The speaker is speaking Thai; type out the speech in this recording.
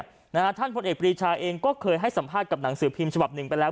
ท่านพลเอกปรีชาเองก็เคยให้สัมภาษณ์กับหนังสือพิมพ์ฉบับหนึ่งไปแล้ว